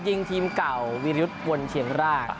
ยิงทีมเก่าวิรยุทธ์วนเชียงราก